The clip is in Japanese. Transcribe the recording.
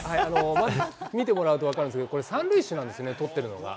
まず、見てもらうと分かるんですけど、これ、三塁手なんですね、取ってるのが。